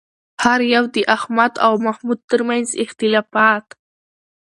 هر یو د احمد او محمود ترمنځ اختلافات